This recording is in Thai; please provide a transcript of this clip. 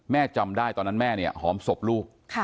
จำได้ตอนนั้นแม่เนี่ยหอมศพลูก